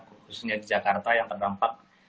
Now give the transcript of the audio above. khususnya di jakarta yang terdampak